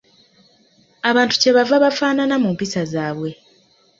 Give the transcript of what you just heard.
Abantu kye bava bafaanana mu mpisa zaabwe!